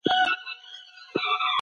کله چې زه ښوونځي ته لاړم هغوی ناست وو.